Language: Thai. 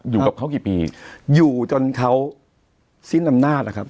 อยู่กับเขากี่ปีอยู่จนเขาสิ้นอำนาจนะครับ